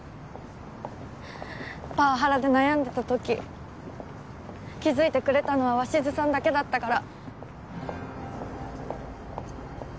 パワハラで悩んでたとき気付いてくれたのは鷲津さんだけだったから。